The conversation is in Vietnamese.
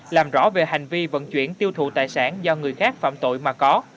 làm rõ về hành vi vận chuyển tiêu thụ tài sản do người khác phạm tội mà có